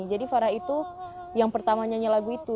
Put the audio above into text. jadi farah itu yang pertama nyanyi lagu itu